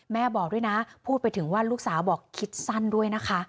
บอกด้วยนะพูดไปถึงว่าลูกสาวบอกคิดสั้นด้วยนะคะ